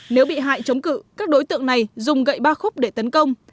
nếu bị hại chống cự các đối tượng này dùng gậy ba khúc để tấn công